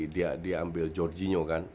dia ambil jorginho kan